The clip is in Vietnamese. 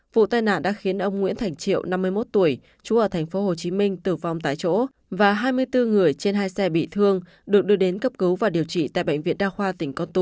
vụ tai nạn đã khiến ông nguyễn thành triệu năm mươi một tuổi chú ở tp hcm tử vong tại chỗ và hai mươi bốn người trên hai xe bị thương được đưa đến cấp cứu và điều trị tại bệnh viện đa khoa tỉnh con tum